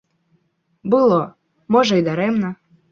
Было, можа, і дарэмна.